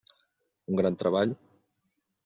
Un gran treball.